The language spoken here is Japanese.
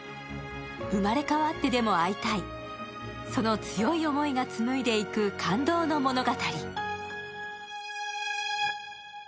生まれ変わってでも会いたい、その強い思いがつむいでいく感動の物語。